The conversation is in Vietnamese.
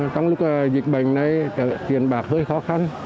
trong lúc dịch bệnh này tiền bạc hơi khó khăn